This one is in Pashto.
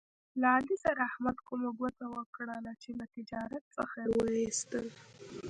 له علي سره احمد کومه ګوته وکړله، چې له تجارت څخه یې و ایستلا.